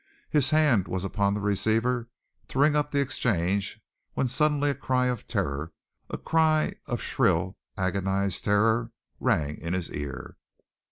His hand was upon the receiver to ring up the Exchange when suddenly a cry of terror, a cry of shrill, agonized terror, rang in his ear.